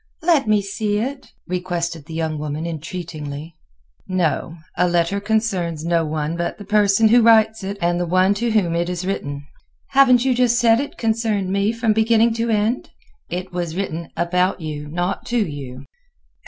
"Let me see it," requested the young woman, entreatingly. "No; a letter concerns no one but the person who writes it and the one to whom it is written." "Haven't you just said it concerned me from beginning to end?" "It was written about you, not to you.